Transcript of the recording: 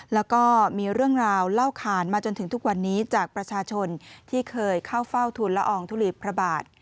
แล้วก็มีเรื่องราวเล่าขานมาจนถึงทุกวันนี้จากประชาชนที่เคยเข้าเฝ้าทุนละอองทุลีพระบาท